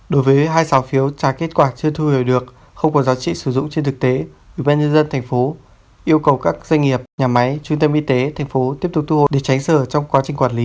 đối với hai sáu phiếu trả kết quả chưa thu hồi được không có giáo trị sử dụng trên thực tế ubnd tp yêu cầu các doanh nghiệp nhà máy trung tâm y tế tp tiếp tục thu hồi để tránh sở trong quá trình quản lý